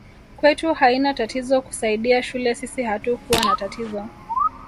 Kwetu haina tatizo kusaidia shule sisi hatukua na tatizo